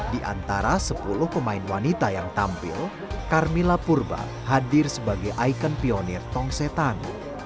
di antara sepuluh pemain wanita yang tampil carmilla purba hadir sebagai ikon pionir tong setan